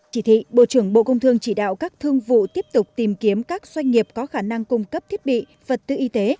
chỉ thị bộ trưởng bộ công thương chỉ đạo các thương vụ tiếp tục tìm kiếm các doanh nghiệp có khả năng cung cấp thiết bị vật tư y tế